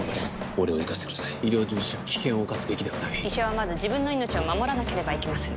俺を行かせてください・医療従事者は危険を冒すべきではない医者はまず自分の命を守らなければいけません